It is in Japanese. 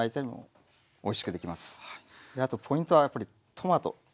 であとポイントはやっぱりトマト。